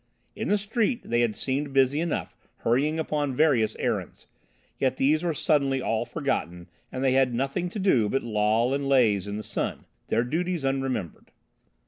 In the street they had seemed busy enough, hurrying upon various errands; yet these were suddenly all forgotten and they had nothing to do but loll and laze in the sun, their duties unremembered.